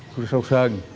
chú sâu sơn